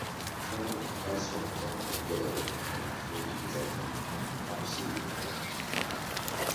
Flowering occurs from October to January and the fruit is an oval capsule long.